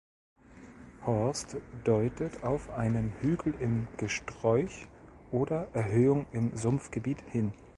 Horst deutet auf einen "Hügel im Gesträuch" oder "Erhöhung im Sumpfgebiet" hin.